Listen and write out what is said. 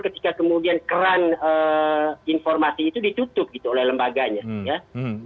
ketika kemudian keran informasi itu ditutup gitu oleh lembaganya ya